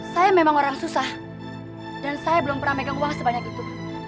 saya memang orang susah dan saya belum pernah megang uang sebanyak itu